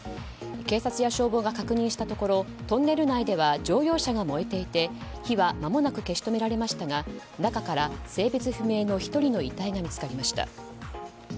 警察や消防が確認したところトンネル内では乗用車が燃えていて火はまもなく消し止められましたが中から性別不明の１人の遺体が見つかりました。